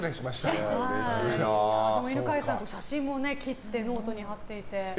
犬飼さん、写真も切ってノートに貼っていて。